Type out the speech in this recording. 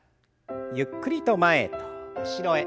ゆっくりと前と後ろへ。